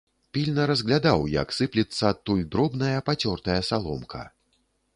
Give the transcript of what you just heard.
Пільна разглядаў, як сыплецца адтуль дробная, пацёртая саломка.